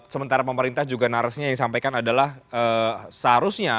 sementara pemerintah juga narasinya yang disampaikan adalah seharusnya